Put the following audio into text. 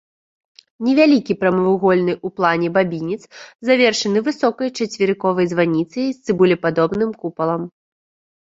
Невялікі прамавугольны ў плане бабінец завершаны высокай чацверыковай званіцай з цыбулепадобным купалам.